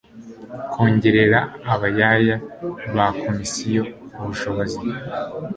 kongerera abayaya ba komisiyo ubushobozi